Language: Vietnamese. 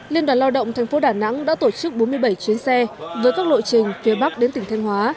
liên đoàn lao động thành phố đà nẵng đã tổ chức bốn mươi bảy chuyến xe với các lộ trình phía bắc đến tỉnh thanh hóa